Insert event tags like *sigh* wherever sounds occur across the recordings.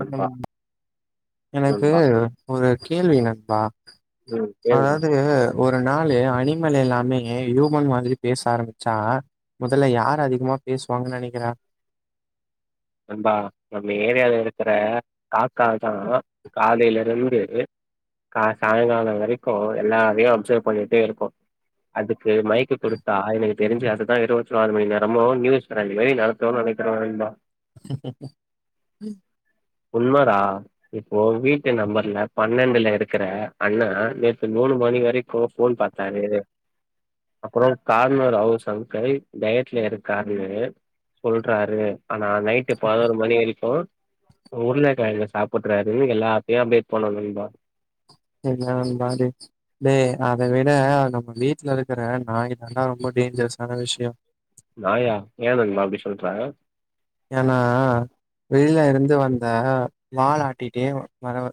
நண்பா எனக்கு நண்பா ஒரு கேள்வி நண்பா ம் கேளு அதாவ்து நண்பா ஒரு நாளு அனிமல் எல்லாமே ஹியூமன் மாதிரி பேச ஆரம்ச்சா மொதல்ல யாரு அதிகமா பேசுவாங்கன்னு நெனைக்கிற நண்பா நம்ம ஏரியாவுல இருக்கிற காக்கா தா காலைலருந்து கா சாயங்காலோ வரைக்கு எல்லாரையு அப்சர்வ் பண்ணிட்டே இருக்கு அதுக்கு மைக் குடுத்தா எனக்கு தெரிஞ்சு அதுதா இருவத்தி நாலு மணி நேரமு நியூஸ் அந்மாரி நடத்துன்னு நெனக்கிறே நண்பா ம் உண்மரா இப்போ வீட்டு நம்பர்ல பன்னெண்டுல இருக்குற அண்ணா நேத்து மூணு மணி வரை க்கு ஃபோன் பாத்தாரு அப்றோ கார்னர் ஹவுஸ் அங்கிள் டயட்ல இருக்காரு சொல்றாரு ஆனா நைட்டு் பதுனோர் மணி வரைக்கு உருளகெழங்கு சாப்புட்றாரு எல்லாத்தையு அப்டேட் பண்ண சொல்றா என்ன நண்பா இது ஏ அத விட நம்ம வீட்ல வளக்ற நாய் தான்டா ரொம்ப டேஞ்சரஸான விஷயோம் நாயா ஏ நண்பா அப்டி சொல்ற ஏன்னா வெளில இருந்து வந்தா வால் ஆட்டிட்டே வரு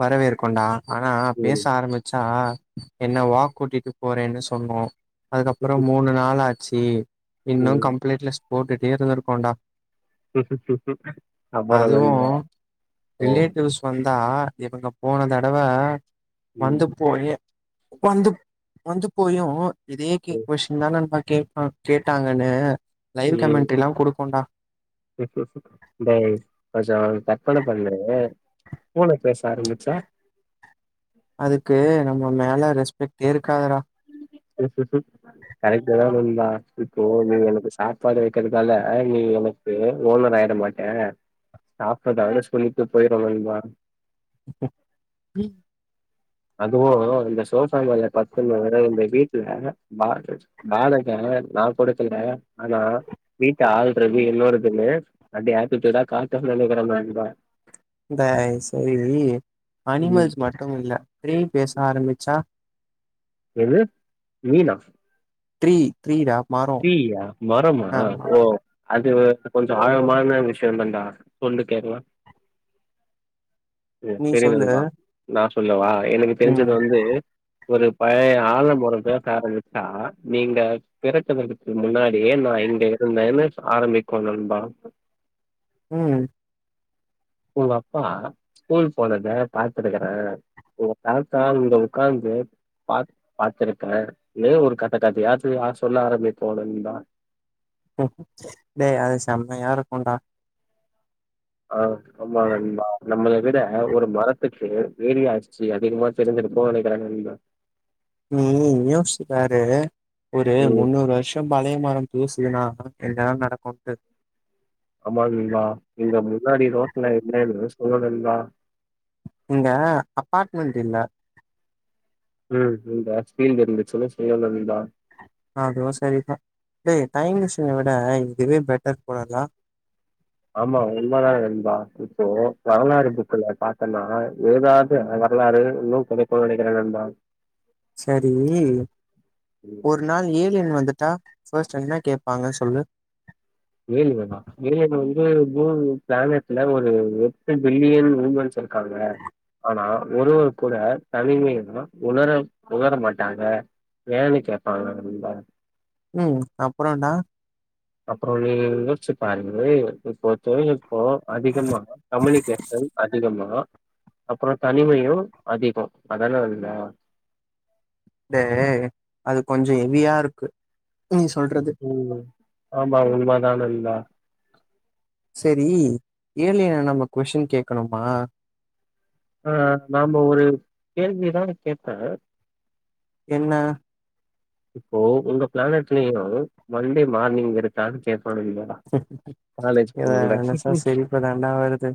வரவேற்க்குண்டா ஆனா பேச ம் ஆரம்பிச்சா என்ன வாக் கூட்டிட்டு போறேன்னு சொல்லு அதுக்கப்றோ மூணு நாள் ஆச்சு இன்னு ம் கம்ப்ளீட் லிஸ்ட் போட்டுட்டே இருந்ருக்கோன்டா அப்புறோ அதுவு நண்பா ஓ ரிலேட்டிவ்ஸ் வந்தா இவுங்க போன தடவ ம் வந்து போயே வந்து வந்து போயு இதே கே ம் கொஸ்ஸின் தா நண்பா கே கேட்டாங்கன்னு லைவ் ம் கமெண்ட்ரில்லா குடுக்கும்டா டேய் மச்சா கற்பன பண்ணே பூன பேச ஆரம்பிச்சா அதுக்கு நம்ம மேல ரெஸ்பெக்டே இருக்காதுரா *unintelligible* கரெக்ட் தா நண்பா ந்தா இப்போ நீ எனக்கு சாப்பாடு வக்கிறதால நீ எனக் ஏ ஓனர் ஆயிட மாட்டே சாப்றதாவே சொல்லிட்டு போய்றோ நண்பா உம் அதுவு இந்த சோபா மேல கட்டிலு இந்த வீட்ல மறச்சு வச்சு மானத்த நா கொடுக்கல ஆனா வீட்ட ஆல்ரெடி என்னோடதுன்னு அப்டி ஏத்துட்டுதா காத்த நெனைக்கிற மாரி இருக்கு தயவு செய்து ம் அனிமல்ஸ் மட்டு இல்ல பேயி பேச ஆரம்பிச்சா என்ன மீனா த்ரீ த்ரீடா மாறு தீயா மரமா ஓ அது கொஞ்ச ஆழமான விஷய தாண்டா சொல்லு கேக்லா உம் நீ செரி சொல்லு நண்பா நா சொல்ல வா எனக்கு தெரிஞ்சது ம் வந்து ஒரு பழைய ஆல மரோ பேச ஆரம்பிச்சா நீங்க *unintelligible* க்கு முன்னாடியே நா இங்க இருந்துதேனு ஆரம்பிக்கு நண்பா உம் உங்க அப்பா ஸ்கூல் போனத பாத்துருக்றே ஒங்க தாத்தா இங்க உக்காந்து பாட் பாத்திருக்கார் ஏ ஒரு கத்த கதயாச்சு யாரு சொல்ல ஆரம்பிப்போம் நண்பா உம் ம் டேய்அது செம்மையா இருக்கும்ண்டா ஆ ஆமா நண்பா நம்மள விட ஒரு மரத்துக்கு வேலாச்சு அதிகமா தெரி்ஞ்சுருக்கு நெனக்கிறே நண்பா நீ யோச்சுபாரு ஒரு ம் முன்னூறு வர்ஷ் *unintelligible* பழய மரொ தூசுதுன்னா என்னதா நடக்குன்ட்டு ஆமாங்க நண்பா நீங்க முன்னாடி ரோஸ்ல என்னன்னு *unintelligible* இங்க அப்பார்ட்மெண்ட் இல்ல இங்க *unintelligible* அதுவு செரிதா டேய் டைம் மிஷின விட இதுவே பெட்டர் போடதா ஆமா உண்மதா நண்பா இப்போ வரலாறு புக்குல பாத்தன்னா ஏதாவ வரலாறு இன்னு கதைப்போ நெனைக்கிறே நண்பா சரி ம் ஒரு நாள் ஏலியன் வந்துட்டா ஃபர்ஸ்ட் என்னா கேப்பாங்க சொல்லு ஏலியன்னா ஏலியன் வந்து *unintelligible* பிளானட்ல ஒரு எட்டு பில்லியன் விமன்ஸ் இருக்காங்க ஆனா ஒருவர் கூட தனிமைன்னா உணர உணர மாட்டாங்க ஏன்னு கேப்பாங்க நண்பா ம் அப்றொன்டா அப்பறொ நீ யோச்சு பாருங்க இப்ப தொழில் நுட் போ அதிகமா கம்முனிகேஷன் அதிகமா அப்றொ தனிமையு அதிகொ அதானா உண்ம தே அது கொஞ்சொ ஹெவியா இருக்கு நீ சொல்றது ம் ஆமா உண்ம தா நண்பா செரி ஏலியன நம்ம கொஸ்டின் கேட்கணுமா அ நம்ம ஒரு கேள்வி எதனா கேட்டா என்ன இப்போ உங்க பிளானட்லயு மண்டே மார்னிங் இருக்கான்னு கேக்கணு *unintelligible* இத நெனச்சா சிரிப்பு தாண்டா வருது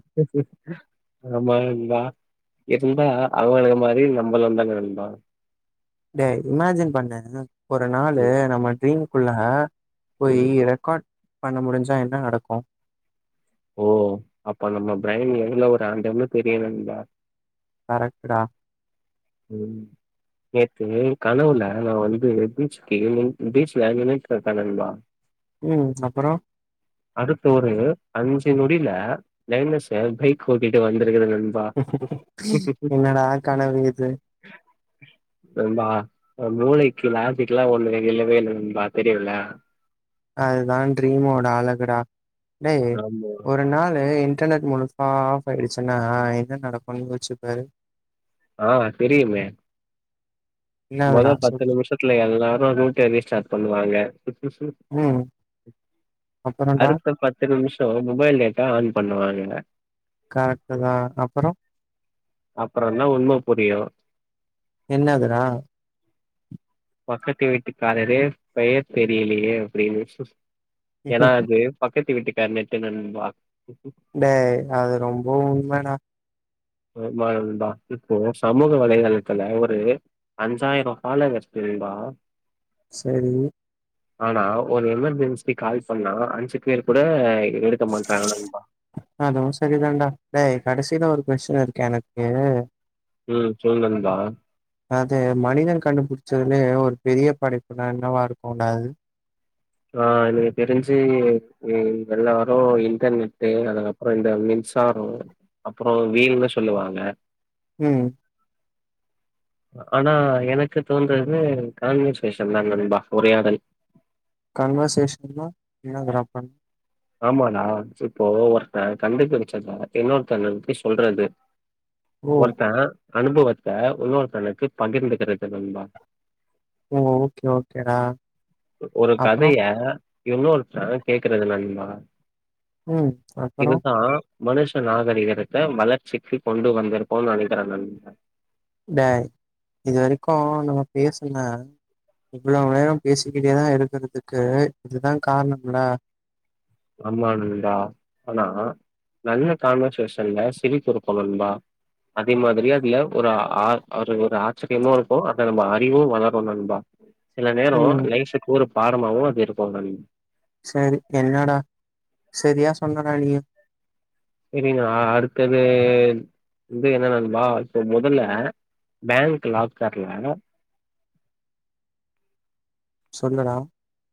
ஆமா நண்பா இருந்தா அவுங்களுக் மாரியு நம்பளு தாங்க நண்பா டேய் இமேஜின் பண்ணு ஒரு நாளு ம் நம்ம ட்ரீம்குள்ள போயி ம் ரெக்கார்ட் பண்ண முடுஞ்சா என்ன நடக்கு ஓ அப்ப நம்ம பிரைன் எவ்ளோ ஒரு ஆண்டன்னு தெரியு நண்பா கரெக்டுடா ம் நேத்து கனவுல நா வந்து பீச்சுக்கு பீச்ல *unintelligible* ம் அப்பறொ அடுத்த ஒரு அஞ்சு நொடில *unintelligible* பைக் ஓட்டிட்டு வந்துருக்குறே நண் என்னடா கனவு இது நண்பா மூளைக்கு லாசக்கு எல்லாம ஒண்ணு இல்லவே இல்ல நண்பா தெரியல அதுதா ட்ரீமோட அழகுடா டேய் ஆமா ஒரு நாளு இன்டர்நெட் முழு சா ஆஃப் ஆயிடுச்சுன்னா என்ன நடக்குன்னு யோச்சுப்பாரு ஆ தெரியுமே மொத என்னதுடா பத்து சொல்லு நிமிஷத்துல எல்லாரு ரூட் எரி ஸ்டார்ட் பண்ணுவாங்க ம் அப்புறம்டா அடுத்த பத்து நிமிஷோ மொபைல் டேட்டா ஆன் பண்ணுவாங்க கரெக்ட்டுதா அப்பறொ அப்றந் தா உண்ம புரியு என்னதுரா பக்கத்து வீட்டுக்காரரு பெயர் தெரியிலயே அப்டின்னு எனா அது பக்கத்து வீட்டுக்கார் நெட்டு நண்பா டேய் அது ரொம்ப உண்மடா *unintelligible* நண்பா இப்போ சமூக வலைதள்த்துல ஒரு அஞ்சாய்ரோ ஃபாலோவர்ஸ் தெரியுமா செரி ஆனா ஒரு எமெர்ஜென்சிக் கால் பண்ணா அஞ்சு பேரு கூட எடுத் அதுவு செரிதான்டா டேய் கடசில ஒரு கொஸ்டின் இருக்கு எனக்கு ம் சொல் நண்பா அது மனிதன் கண்டுபுடிச்சதுலே ஒரு பெரிய படைப்புனா என்னவா இருக்குன்டா அது ஆ எனக்கு தெரிஞ்சி ம் எல்லாரு இன்டர்நெட்டு் அதுக்கப்றோ இந்த மின்சாரோ அப்பறோ வீல்னு சொல்லுவாங்க ம் ஆனா எனக்கு தோன்றது கான்வர்சேஷன் தா நண்பா உரையாடல் கன்வர்சேஷன்னா என்னதுடா பண் ஆமான்டா இப்போ ஒர்த்த கண்டு பிடிச்சத இன்னொருத்தங்கள்க்கு சொல்றது ஓ! ஒர்த்த அனுபவத்த உன்னொருத்தனுக்கு பகிர்ந்துக்குறது நண்பா ஓ ஓக்கே ஓக்கே டா ஒரு கதய இன்னொருத்த கேக்குறது நண்பா ம். அப்புறம்? இதுதா மனுஷ நாகரிகரத்த வளர்ச்சிக்கு கொண்டு வந்துருக்கோ நெனைக்குற நண்பா டேய் இது வரைக்கு நம்ம பேசுனா இவ்ளோ நேரோ பேசிக்கிட்டேதா இருக்குறதுக்கு இதுதா காரணம்ல ஆமா நண்பா ஆனா நல்ல கான்வர்சேஷன்ல சிரிப்புருக்கும் நண்பா அதே மாதிரியே அதுல ஒரு ஆ ஒரு ஆச்சர்யமோ இருக்கும் அத நம்ப அறிவும் வளரு நண்பா சில நேரோ ம். லைஃபுக்கு ஒரு பாடமாவு அது இருக்கோ நண் சேரி என்னடா செரியா சொன்னடா நீ செரிங்ளா அடுத்தது வந்து என்னன்னல்வால் சோ மொதல்ல பேங்க் லாக்கர்ல சொல்லு டா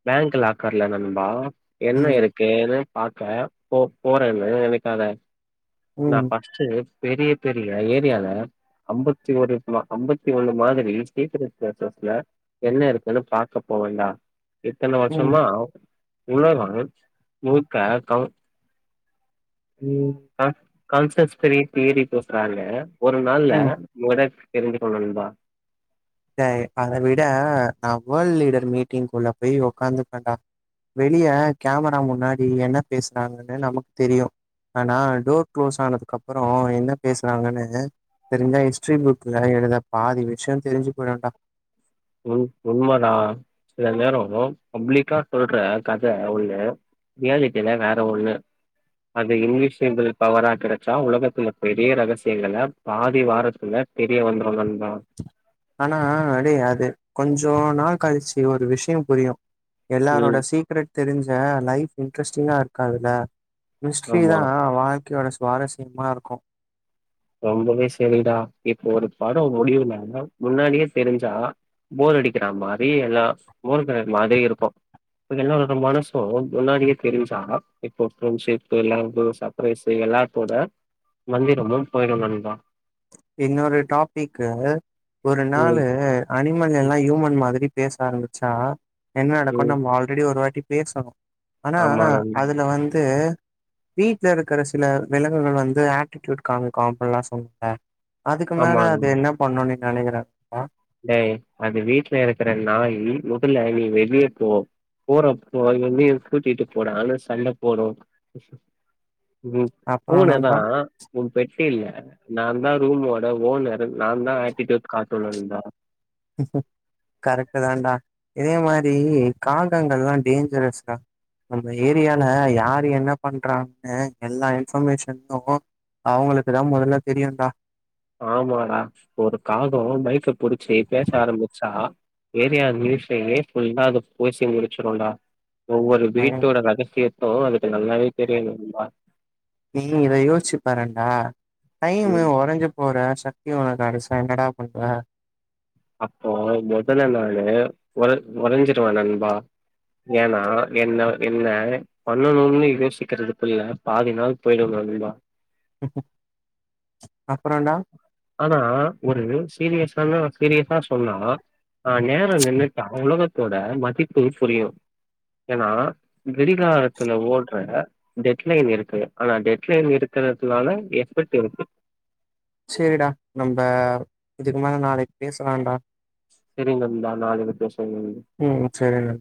பேங்க் லாக்கர்ல நண்பா என்ன ம். இருக் கேனு பாக்க போ போறன்னு நெனைக்காத நா ம். அ ட்டு பெரிய பெரிய ஏரியால ஐம்பத்தி ஒரு மா ஐம்பத்தி ஒண்ணு மாதிரி சீக்கிர சக்ஸஸ்ல என்ன இருக்குனு பாக்க போவண் டா இத்தன ம். வர்ஷ்ஷமா உலகம் முழுக்க கவு ம் ஆ கான்ஸ்டர்ஸ்ஃபெரி தேறி பேசுறாங்க ஒரு நாள்ல ம். மொற தெரிஞ்சிக்கோ நண்பா டேய் அத விட நா வோல்ட் லீடர் மீட்டிங்ல போய் ஒக்காந்துப்பேண் டா வெளிய கேமரா முன்னாடி என்ன பேஸ்றாங்கனு நமக்கு தெரியு ஆனா டோர் க்ளோஸ் ஆனதுக்கு அப்பறோ என்ன பேஸ்றாங்கனு தெரிஞ்சா ஹிஸ்ட்ரி புக்ல எழுத பாதி விஷ்யோ தெரிஞ்சு போய்டோண் டா உண் உண்மதா சில நேரோ பப்ளிக்கா சொல்ற கத ஒன்னு ரியாலிட்டில்ல வேற ஒண்ணு அது இங்கிலீஷ்ன்றத பவரா கெடைச்சா உலகத்துல பெரிய ரகசியோ இல்லங்க பாதி வாரத்துல தெரிய வந்துரு நண்பா ஆனா அடே அது கொஞ்சோ நாள் கழிச்சு ஒரு விஷயோ புரியு எல்லாரோட ம் சீக்ரெட் தெரிஞ்ச லைஃப் இன்ட்ரெஸ்டிங்கா இருக்காதுல மிஸ்டரி ஆமா தா வாழ்க்கையோட சுவாரஸ்யமா இருக்கு ரொம்பவே சேரிடா இப்ப ஒரு படோ முடிவுல்ல முன்னாடியே தெரிஞ்சா போர் அடிக்கிற மாரி எல்லா போர் க மாரி இருக்கு இ எல்லாரோட மனசும் முன்னாடியே தெரிஞ்சா இப்போ *unintelligible* லேம்போ சாப் *unintelligible* சு எல்லாத்தோட மந்திரமு போயிரு நண்பா இன்னொரு டாப்பிக்கு ஒரு ம் நாளு அனிமல் எல்லா ஹியூமன் மாதிரி பேச ஆரம்பிச்சா என்ன நடக்குனு ம் நம்ம ஆல்ரெடி ஒரு வாட்டி பேசணோ ஆனா ஆமா நண்பா அதுல வந்து வீட்ல இருக்ற சில விலங்குகள் வந்து ஆட்டிடியூட் காமிக்கு அப்டின்ல்லா சொன்னல அதுக்கு ஆமா மேல அது நண்பா என்ன பண்ணு நீ நெனைக்கிற நண்பா டேய் அது வீட்ல இருக்கற நாய் முதல்ல நீ வெளிய போ போறப்போ அது வந்து என்ன கூட்டிட்டு போடானு சண்ட போடு ம் அப்றோ பூன தா நண்பா உ பெட் இல்ல நாதா ரூமோட ஓனர் நா தா ஆட்டிடியுட் காட்டணுந்தா கரெக்ட்டுதான்டா இதே மாரி காகங்கள்ல்லா டேஞ்ஜரஸ்டா நம்ம ஏரியால யாரு என்ன பண்றாங்க எல்லா இன்ஃபர்மேஷனு அவுங்களுக்குதா மொதல்ல தெரியுண்டா ஆமாடா ஒரு காகோ மைக்க புடிச்சி பேச ஆரம்பிச்சா ஏர்யாவிலயு சேரி ஃபுல்லா அது பூசி முடிச்சிருடா ஒவ்வொரு வீட்டோட ரகசியத் தோ அதுக்கு நல்லாவே தெரியணுன்டா நீ இத யோசிச்சு பாறன்டா டைமு ம் ஒரஞ்சு போற சக்தி ஒன காடு ச என்னடா பண்ற அப்போ மொதல்ல நானு ஒற ஒறஞ்சிருவ நண்பா ஏன்னா என்னவ் என்ன பண்ணணுன்னு யோசிக்கறதுக்குள்ள பாதி நாள் போயிடு நண்பா அப்றண்டா ஆனா ஒரு சீரியஸ்ஸானா சீரியஸா சொன்னா ஆ நேரோ நின்னுட்டா உலகத்தோட மதிப்பு புரியு ஏனா கெடிகாரத்துல ஓட்ற டெட் லைன் இருக்கு ஆனா டெட்லைன் இருக்கறதுலான எஃபெக்ட் இருக்கு சேரிடா நம்ப இதுக்கு மேல நாளைக்கு பேசலான்டா சேரி நண்பா நாளைக்கி பேசுவோ ம் சேரிங்க